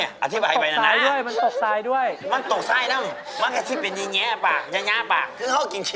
แอธิบายว่าส้มแผนตกซ้ายให้เจ๊